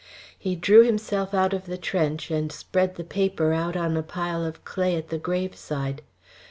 He drew himself out of the trench and spread the paper out on a pile of clay at the graveside.